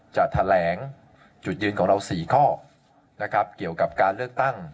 จะแถลงจุดยืนของเรา๔ข้อนะครับเกี่ยวกับการเลือกตั้ง